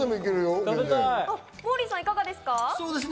モーリーさん、いかがですか？